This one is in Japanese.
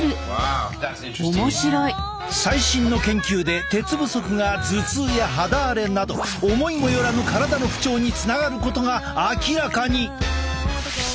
最新の研究で鉄不足が頭痛や肌荒れなど思いも寄らぬ体の不調につながることが明らかに！